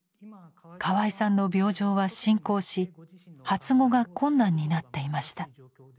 河合さんの病状は進行し発語が困難になっていました。